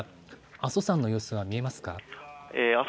阿蘇山の様子、見えます。